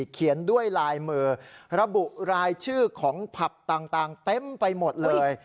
เขียนด้วยลายมือระบุรายชื่อของผับต่างเต็มไปหมดเลย